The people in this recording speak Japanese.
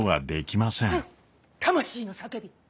魂の叫び！